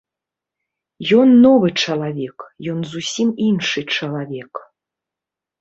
Ён новы чалавек, ён зусім іншы чалавек.